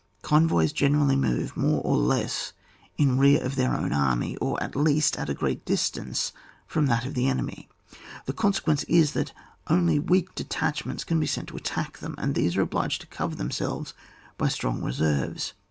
Convoys generally move more or less in rear of their own army, or, at least, at a great distance from that of the enemy. The consequence is, that only weak de tachments can be sent to attack them, and these are obliged to cover themselves by strong reserves.